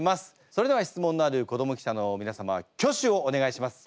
それでは質問のある子ども記者のみなさま挙手をお願いします。